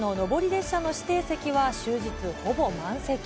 列車の指定席は終日ほぼ満席。